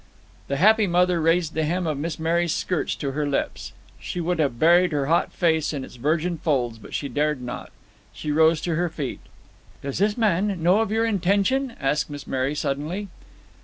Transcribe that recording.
The happy mother raised the hem of Miss Mary's skirts to her lips. She would have buried her hot face in its virgin folds, but she dared not. She rose to her feet. "Does this man know of your intention?" asked Miss Mary, suddenly.